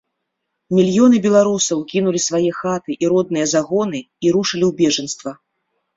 Мільёны беларусаў кінулі свае хаты і родныя загоны і рушылі ў бежанства.